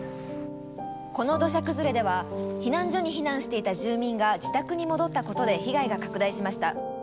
この土砂崩れでは避難所に避難していた住民が自宅に戻ったことで被害が拡大しました。